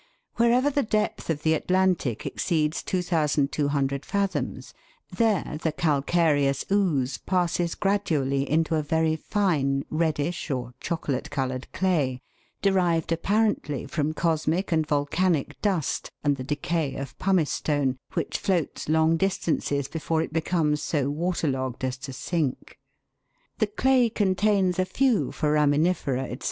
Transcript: Wherever the depth of the Atlantic exceeds 2,200 fathoms, there the calcareous ooze passes gradually into a very fine reddish or chocolate coloured clay, derived ap parently from cosmic and volcanic dust, and the decay of pumice stone, which floats long distances before it be comes so water logged as to sink. The clay contains a few foraminifera, &c.